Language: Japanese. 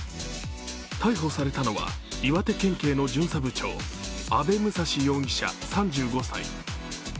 逮捕されたのは、岩手県警の巡査部長阿部武蔵容疑者、三五歳。